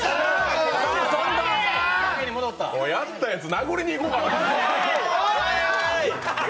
もう、やったやつ殴りに行こうかな。